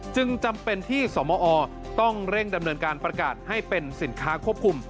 จึงจำเป็นที่สมอต้องเร่งดำเนินการประกาศให้เป็นสินค้าควบคุม